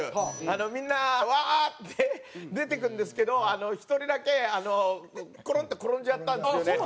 みんなうわー！って出てくるんですけど１人だけコロンって転んじゃったんですよね。